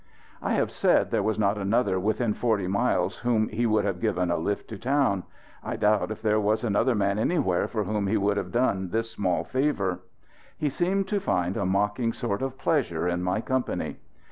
I have said there was not another within forty miles whom he would have given a lift to town; I doubt if there was another man anywhere for whom he would have done this small favour. He seemed to find a mocking sort of pleasure in my company.